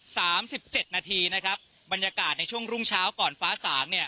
สามสิบเจ็ดนาทีนะครับบรรยากาศในช่วงรุ่งเช้าก่อนฟ้าสางเนี่ย